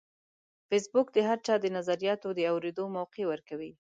فېسبوک د هر چا د نظریاتو د اورېدو موقع ورکوي